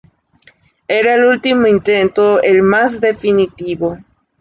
Era el último intento, el más definitivo.